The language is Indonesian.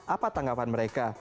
apa tanggapan mereka